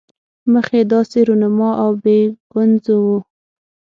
مخ یې داسې رونما او بې ګونځو وو.